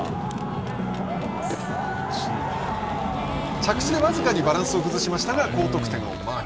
着地で僅かにバランスを崩しましたが高得点をマーク。